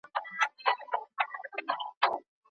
نوې څېړنې بايد وشي.